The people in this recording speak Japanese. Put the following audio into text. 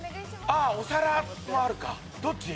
ああお皿もあるかどっち？